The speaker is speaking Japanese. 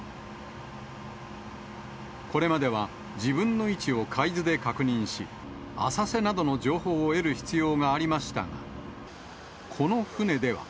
これまでは自分の位置を海図で確認し、浅瀬などの情報を得る必要がありましたが、この船では。